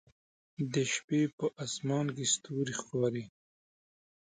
د شپې په اسمان کې ستوري ښکاري